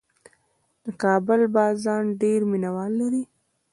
د کابل بازان ډېر مینه وال لري.